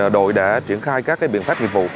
đội đã triển khai các biện pháp nghiệp vụ